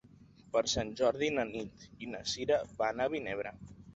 Per Sant Jordi na Nit i na Cira van a Vinebre.